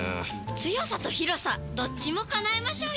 強さと広さどっちも叶えましょうよ！